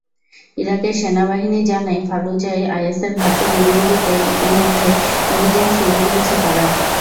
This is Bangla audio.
ইরাকের সেনাবাহিনী জানায়, ফালুজায় আইএসের ঘাঁটি গুঁড়িয়ে দিতে ইতিমধ্যে অভিযান শুরু করেছে তারা।